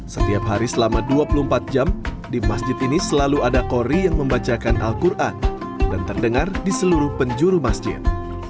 setiap hari selama dua puluh empat jam di masjid ini selalu ada kori yang membacakan al quran dan terdengar di seluruh penjuru masjid